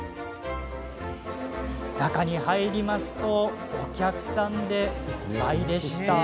中に入るとお客さんでいっぱいでした。